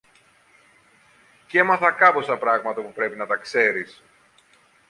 Κι έμαθα κάμποσα πράγματα που πρέπει να τα ξέρεις.